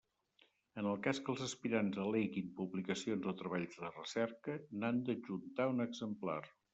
En el cas que els aspirants al·leguin publicacions o treballs de recerca, n'han d'adjuntar un exemplar.